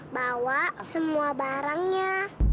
bawa semua barangnya